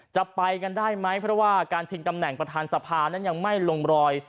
จะไปกันได้ไหมเพราะว่าการชิงตำแหน่งประธานสภานั้นยังไม่ลงรอย